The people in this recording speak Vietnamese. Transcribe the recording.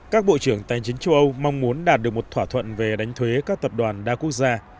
các bộ trưởng tài chính châu âu mong muốn đạt được một thỏa thuận về đánh thuế các tập đoàn đa quốc gia